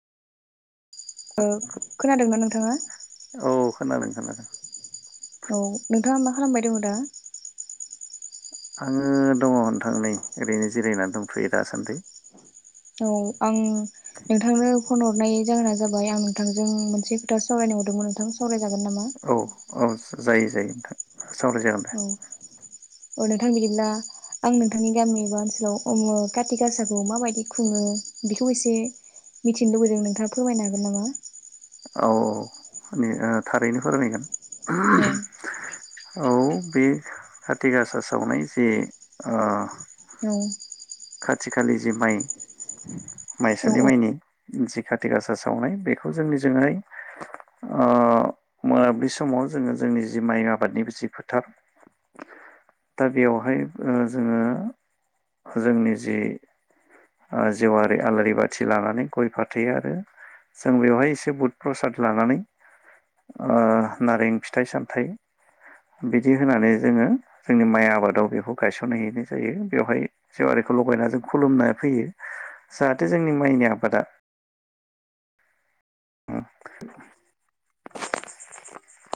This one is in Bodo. औ खोनादोंना नोंथाङा? औ [unintelligible] औ नोंथाङा मा खालामबाय दङ दा? आङो दङ' नोंथां नै ओरैनो जिरायनानै दंथयो दासान्दै । औ । आं नोंथांनो फन हरनाय जाहोना जाबाय आं नोंथांजों मोनसे खोथा सावरायनाय हरदोंमोन नोंथां सावराय जागोन नामा? औ औ जायो जायो नोंथां । सावराय जागोन दे । अ नोंथां बिदिब्ला आं नोंथांनि गामि एबा ओनसोलाव काति गासाखौ माबायदि खुङो बेखौ एसे मिथिनो लुबैदों नोंथाङा फोरमायनो हागोन नामा? औ औ ओ थारैनो फोरमायगोन । औ [unintelligible] औ बे खाथि गासा सावनाय जे ओ औ खाथि खालि जि माइ औ माइसालि माइनि जि खाथि गासा सावनाय बेखौ जोंनिजोंहाय ओ मोनाबिलि समाव जोङो जोंनि जि माइ आबादनिबो जि फोथार दा बेवहाय ओ जोङो जोंनि जि ओ जेवारि आलारि बाथि लानानै गय फाथै आरो जों बेवहाय एसे बुद प्रसाद लानानै ओ नारें फिथाइ सामथाइ बिदि होनानै जोङो जोंनि माइ आबादाव बेखौ गायसनहैनाय जायो बेवहाय सेेवारिखौ लगायना जों खुलुमनाय फैयो जाहाथे जोंनि माइनि आबादा